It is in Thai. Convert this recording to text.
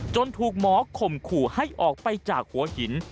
ถูกหมอข่มขู่ให้ออกไปจากหัวหิน